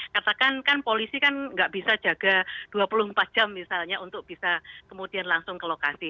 katakan kan polisi kan nggak bisa jaga dua puluh empat jam misalnya untuk bisa kemudian langsung ke lokasi